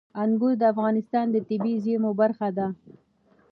انګور د افغانستان د طبیعي زیرمو برخه ده.